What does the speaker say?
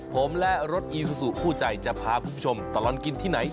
ผมและรถอีซูซูคู่ใจจะพาคุณผู้ชมตลอดกินที่ไหน